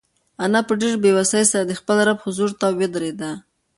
انا په ډېرې بېوسۍ سره د خپل رب حضور ته ودرېده.